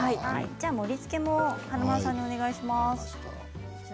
盛りつけも華丸さんにお願いします。